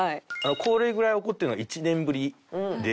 これぐらい怒ってるのは１年ぶりで。